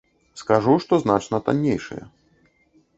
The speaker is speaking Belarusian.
Скажу, што значна таннейшыя.